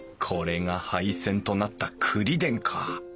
これが廃線となったくりでんか！